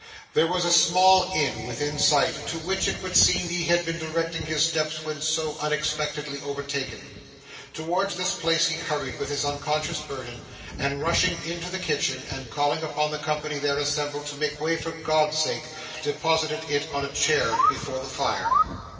There was a small inn within sight, to which, it would seem, he had been directing his steps when so unexpectedly overtaken. Towards this place he hurried with his unconscious burden, and rushing into the kitchen, and calling upon the company there assembled to make way for God's sake, deposited it on a chair before the fire.